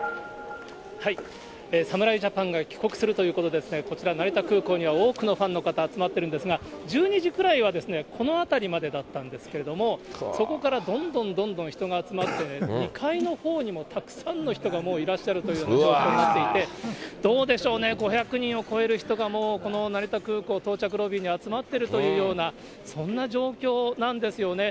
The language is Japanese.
侍ジャパンが帰国するということで、こちら、成田空港には多くのファンの方、集まってるんですが、１２時くらいはこの辺りまでだったんですけれども、そこからどんどんどんどん人が集まって、２階のほうにもたくさんの人がもういらっしゃるという状況になっていて、どうでしょうね、５００人を超える人がもう、この成田空港到着ロビーに集まっているというような、そんな状況なんですよね。